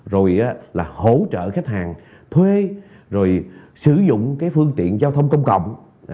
rồi là hỗ trợ khách hàng thuê rồi sử dụng cái phương tiện giao thông công cộng